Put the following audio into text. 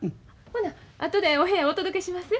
ほな後でお部屋へお届けします。